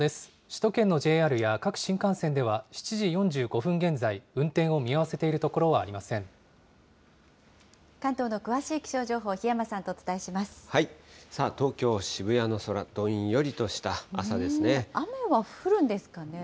首都圏のＪＲや各新幹線では７時４５分現在、運転を見合わせてい関東の詳しい気象情報、檜山東京・渋谷の空、どんよりと雨は降るんですかね？